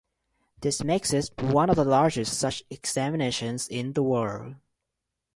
This makes it one of the largest such examinations in the world.